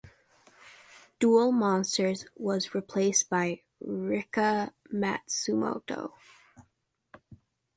Duel Monsters was replaced by Rika Matsumoto.